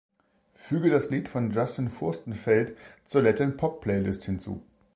Füge das Lied von Justin Furstenfeld zur Latin-Pop-Playlist hinzu.